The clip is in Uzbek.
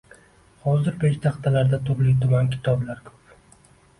Hozir peshtaxtalarda turli-tuman kitoblar ko‘p.